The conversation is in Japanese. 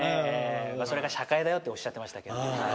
それが社会だよっておっしゃってましたけど。